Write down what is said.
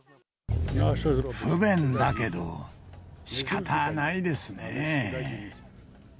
不便だけどしかたないですね。